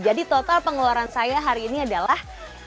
jadi total pengeluaran saya hari ini adalah